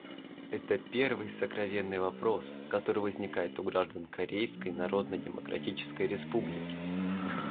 Это первый сокровенный вопрос, который возникает у граждан Корейской Народно-Демократической Республики.